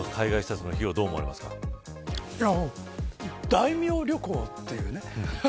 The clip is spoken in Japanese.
大名旅行っていうね。